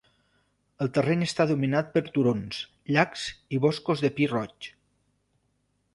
El terreny està dominat per turons, llacs i boscos de pi roig.